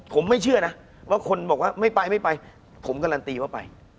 ผมไม่เชื่อนะว่าคนบอกว่าไม่ไปไม่ไปผมการันตีว่าไป